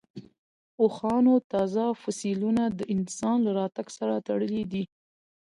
اوښانو تازه فسیلونه د انسان له راتګ سره تړلي دي.